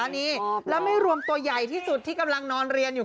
นี่แล้วไม่รวมตัวใหญ่ที่สุดที่กำลังนอนเรียนอยู่